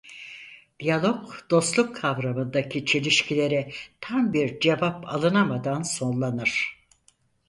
Diyalog dostluk kavramındaki çelişkilere tam bir cevap alınamadan sonlanır.